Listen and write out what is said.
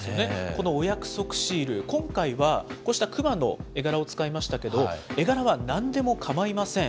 このお約束シール、今回は、こうしたクマの絵柄を使いましたけれども、絵柄はなんでもかまいません。